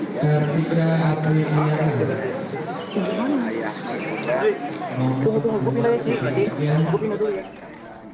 tunggu tunggu gue pindah ya cik